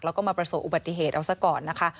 แล้วก็มาประสบอุบัติเหตุเอาซะก่อนนะคะ